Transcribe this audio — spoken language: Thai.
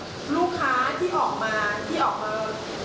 หรือว่าเขาพร้อมถึงสูตรกำลังทำด้วยอย่างเงี้ย